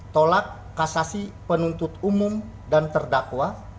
tolak kasasi penuntut umum dan terdakwa